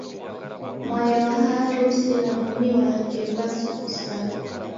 Mwai wa harusi na mumi wake w'asusughana.